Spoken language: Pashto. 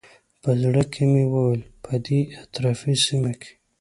په زړه کې مې وویل په دې اطرافي سیمه کې.